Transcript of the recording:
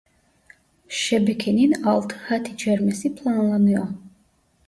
Şebekenin altı hat içermesi planlanıyor.